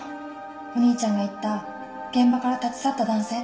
お兄ちゃんが言った現場から立ち去った男性